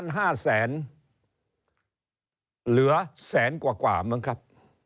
เหลือแสนกว่ามั้งครับ